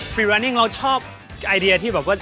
ฟีวานิ่งเราชอบไอเดียที่แบบว่า